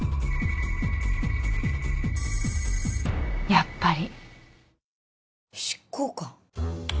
やっぱり。